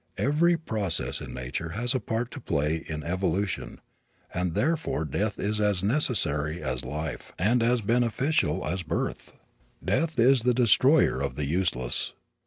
Every process in nature has a part to play in evolution and therefore death is as necessary as life and as beneficial as birth. Death is the destroyer of the useless.